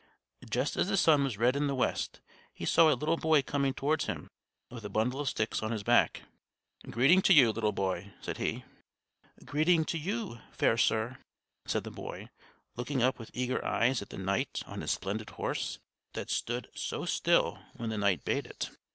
Just as the sun was red in the west, he saw a little boy coming towards him, with a bundle of sticks on his back. "Greeting to you, little boy," said he. "Greeting to you, fair sir," said the boy, looking up with eager eyes at the knight on his splendid horse, that stood so still when the knight bade it.